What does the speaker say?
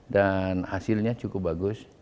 dan hasilnya cukup bagus